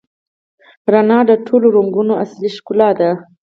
رڼا د ټولو رنګونو اصلي ښکلا ده.